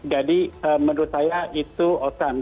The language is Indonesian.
jadi menurut saya itu awesome